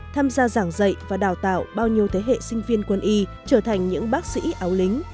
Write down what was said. tham gia giảng dạy và đào tạo bao nhiêu thế hệ sinh viên quân y trở thành những bác sĩ áo lính